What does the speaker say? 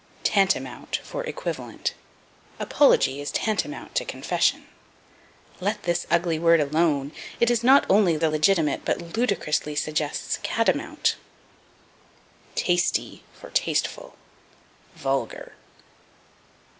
Tantamount for Equivalent. "Apology is tantamount to confession." Let this ugly word alone; it is not only illegitimate, but ludicrously suggests catamount. Tasty for Tasteful. Vulgar.